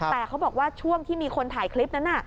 แต่เขาบอกว่าช่วงที่มีคนถ่ายคลิปนั้น